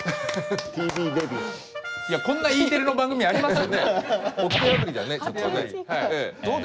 いやこんなＥテレの番組あります？